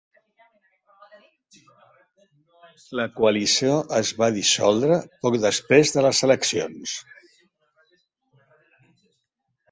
La coalició es va dissoldre poc després de les eleccions.